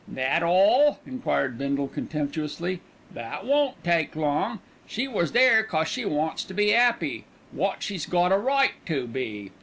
"That all?" enquired Bindle contemptuously. "That won't take long. She was there 'cause she wants to be 'appy, wot she's got a right to be.